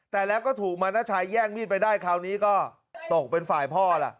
แต่แล้วก็ถูกมานาชัยแย่งมีดไปได้คราวนี้ก็ตกเป็นฝ่ายพ่อล่ะ